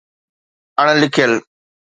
اڻ لکيل